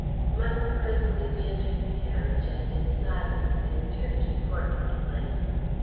Michael presently re entered the carriage and in silence they returned to Portland Place.